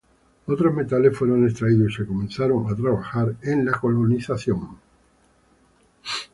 Otros metales fueron extraídos y se comenzaron a trabajar en la colonización.